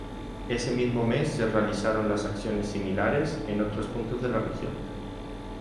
Ese mismo mes se realizaron acciones similares en otros puntos de la región.